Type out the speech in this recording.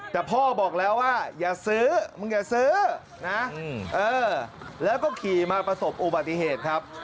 แต่พ่อบอกแล้วว่าอย่าซื้อมึงอย่าซื้อนะแล้วก็ขี่มาประสบอุบัติเหตุครับ